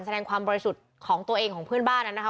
แสดงความบริสุทธิ์ของตัวเองของเพื่อนบ้านนั้นนะคะ